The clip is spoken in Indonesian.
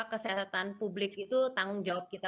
kesehatan publik itu tanggung jawab kita